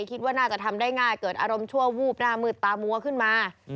คิดว่าน่าจะทำได้ง่ายเกิดอารมณ์ชั่ววูบหน้ามืดตามัวขึ้นมา